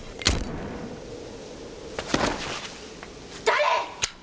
誰！？